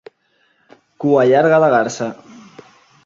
Cua llarga de garsa.